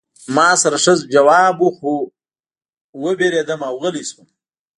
ما سره ښه ځواب و خو ووېرېدم او غلی شوم